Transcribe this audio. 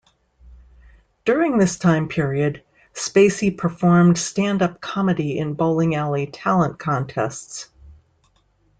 During this time period, Spacey performed stand-up comedy in bowling alley talent contests.